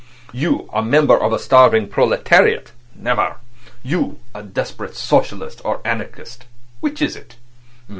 You—a member of a starving proletariat—never! You—a desperate socialist or anarchist—which is it?"